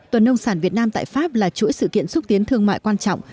tuần nông sản việt nam tại pháp là chuỗi sự kiện xúc tiến thương mại quan trọng